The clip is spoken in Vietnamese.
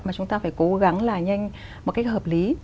mà chúng ta phải cố gắng là nhanh một cách hợp lý